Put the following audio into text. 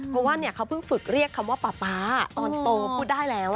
เพราะว่าเขาเพิ่งฝึกเรียกคำว่าป๊าป๊าตอนโตพูดได้แล้ว